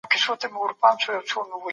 زه جمله لولم.